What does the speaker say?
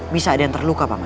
bisa ada yang terluka pak